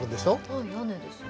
はい屋根ですね。